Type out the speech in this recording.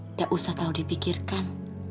nggak usah tahu dipikirkan